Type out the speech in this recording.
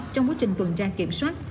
trong quá trình tuần tra kiểm soát